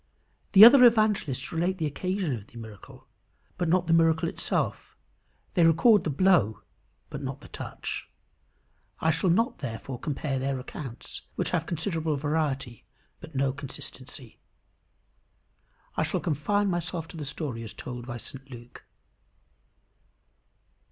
The other evangelists relate the occasion of the miracle, but not the miracle itself; they record the blow, but not the touch. I shall not, therefore, compare their accounts, which have considerable variety, but no inconsistency. I shall confine myself to the story as told by St Luke.